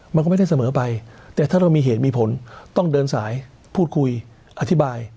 มันก็ไม่ได้เสมอไปแต่ถ้าเรามีเหตุมีผลต้องเดินสายพูดคุยอธิบาย